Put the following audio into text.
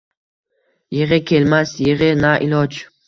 Yigʼi kelmas, yigʼi, na iloj